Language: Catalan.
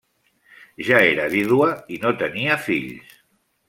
Ja era viuda i no tenia fills.